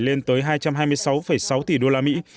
lên tới hai trăm hai mươi sáu sáu tỷ đô la mỹ